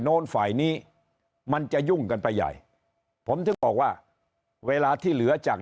โน้นฝ่ายนี้มันจะยุ่งกันไปใหญ่ผมถึงบอกว่าเวลาที่เหลือจาก